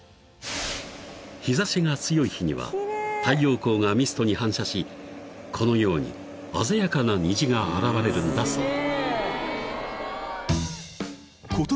［日差しが強い日には太陽光がミストに反射しこのように鮮やかな虹が現れるんだそう］